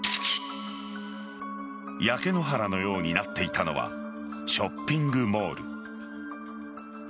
焼け野原のようになっていたのはショッピングモール。